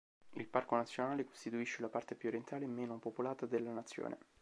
Il parco nazionale costituisce la parte più orientale e meno popolata della nazione.